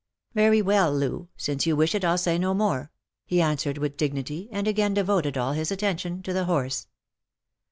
"Very well, Loo, since you wish it I'll say no more," he answered with dignity, and again devoted all his attention to the horse.